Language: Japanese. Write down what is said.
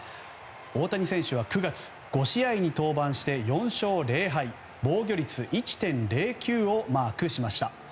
大谷選手は９月５試合に登板して４勝０敗防御率１．０９をマークしました。